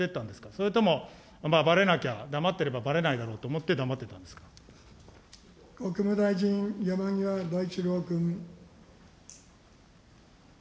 それとも、ばれなきゃ、黙ってればばれないだろうと思って黙って国務大臣、山際大志郎君。